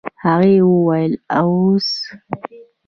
هغې وويل اوس.